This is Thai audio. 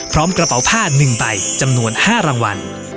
กระเป๋าผ้า๑ใบจำนวน๕รางวัล